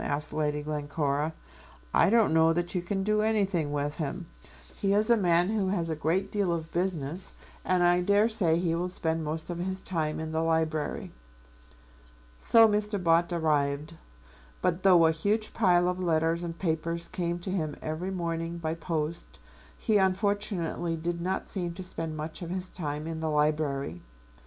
asked Lady Glencora. "I don't know that you can do anything with him. He is a man who has a great deal of business, and I dare say he will spend most of his time in the library." So Mr. Bott arrived. But though a huge pile of letters and papers came to him every morning by post, he unfortunately did not seem to spend much of his time in the library.